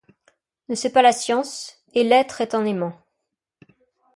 Ne sait pas la science ; et l’être est un aimant